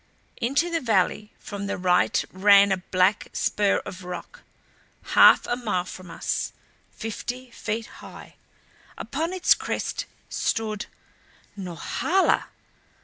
Into the valley from the right ran a black spur of rock, half a mile from us, fifty feet high. Upon its crest stood Norhala!